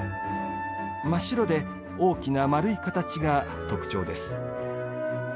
真っ白で大きな丸い形が特徴です。